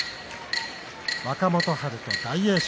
若元春と大栄翔